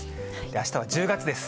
あしたは１０月です。